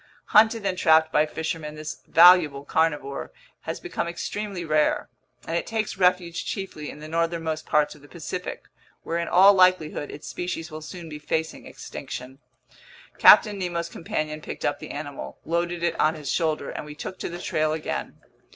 Hunted and trapped by fishermen, this valuable carnivore has become extremely rare, and it takes refuge chiefly in the northernmost parts of the Pacific, where in all likelihood its species will soon be facing extinction. Captain Nemo's companion picked up the animal, loaded it on his shoulder, and we took to the trail again.